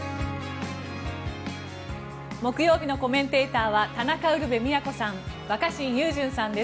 木曜日のコメンテーターは田中ウルヴェ京さん若新雄純さんです